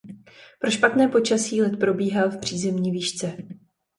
Pro špatné počasí let probíhal v přízemní výšce.